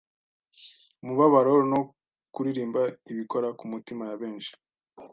umubabaro no kuririmba ibikora ku mitima ya benshi.